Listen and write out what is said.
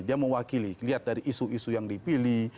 dia mewakili lihat dari isu isu yang dipilih